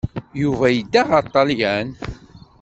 Yuba yedda ɣer Ṭṭalyan.